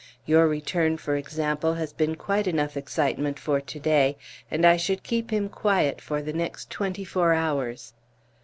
Your return, for example, has been quite enough excitement for to day, and I should keep him quiet for the next twenty four hours."